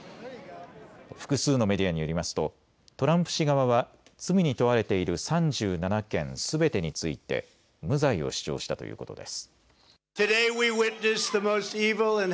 複数のメディアによりますとトランプ氏側は罪に問われている３７件すべてについて無罪を主張したということです。